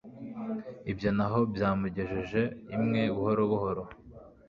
Ibyo ntaho byamugejeje imwe buhoro buhoro